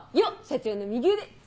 社長の右腕！